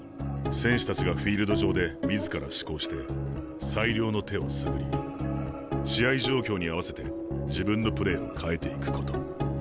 選手たちがフィールド上で自ら思考して最良の手を探り試合状況に合わせて自分のプレーを変えていくこと。